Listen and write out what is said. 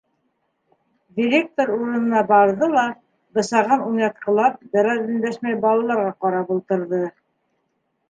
Директор урынына барҙы ла, бысағын уйнатҡылап, бер аҙ өндәшмәй балаларға ҡарап ултырҙы.